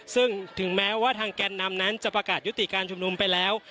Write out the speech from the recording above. ซึ่งถึงแม้ว่าทางแกนนำนั้นจะประกาศยุติการชุมนุมไปแล้ว